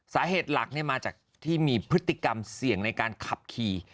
สาเหตุหลักมาจากที่มีพฤติกรรมเสี่ยงในการขับขี่